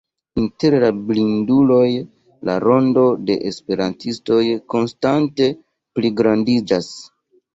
Inter la blinduloj, la rondo de esperantistoj konstante pligrandiĝas.